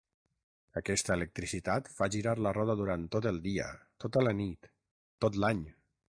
Aquesta electricitat fa girar la roda durant tot el dia, tota la nit, tot l'any.